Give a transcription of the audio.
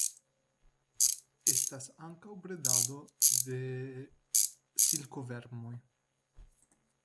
Estas ankaŭ bredado de silkovermoj.